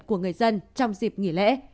của người dân trong dịp nghỉ lễ